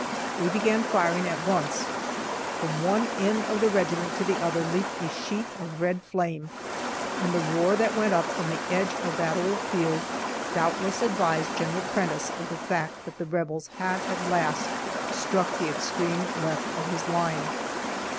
We began firing at once. From one end of the regiment to the other leaped a sheet of red flame, and the roar that went up from the edge of that old field doubtless advised General Prentiss of the fact that the Rebels had at last struck the extreme left of his line.